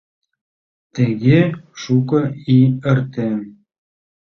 Тыге шуко ий эртен.